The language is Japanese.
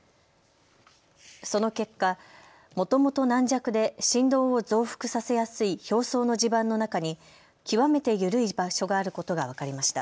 その結果、もともと軟弱で振動を増幅させやすい表層の地盤の中に極めて緩い場所があることが分かりました。